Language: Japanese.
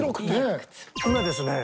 今ですね